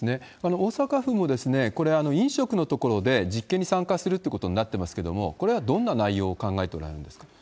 大阪府もこれ、飲食のところで実験に参加するということになってますけれども、これはどんな内容を考えておられるんですか？